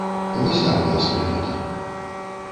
Вось так у нас прынята.